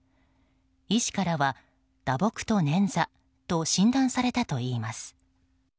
医師からは、打撲とねんざと診断されたといいます。